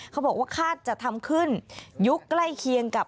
เขาบอกว่าคาดจะทำขึ้นยุคใกล้เคียงกับ